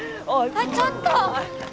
あっちょっと！